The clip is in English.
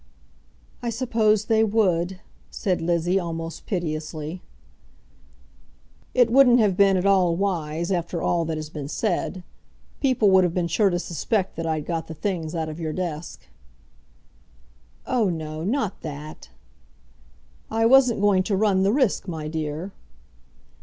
"I suppose they would," said Lizzie almost piteously. "It wouldn't have been at all wise after all that has been said. People would have been sure to suspect that I had got the things out of your desk." "Oh, no; not that." "I wasn't going to run the risk, my dear."